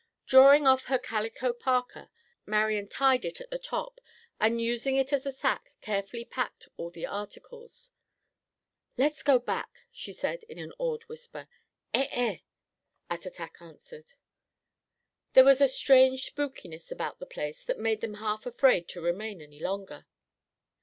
Drawing off her calico parka, Marian tied it at the top, and using it as a sack, carefully packed all the articles. "Let's go back," she said in an awed whisper. "Eh eh," Attatak answered. There was a strange spookiness about the place that made them half afraid to remain any longer.